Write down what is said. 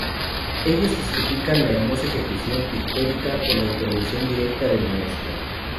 Ellos testifican la hermosa ejecución pictórica con la intervención directa del maestro.